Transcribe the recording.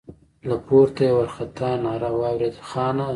له پورته يې وارخطا ناره واورېده: خانه!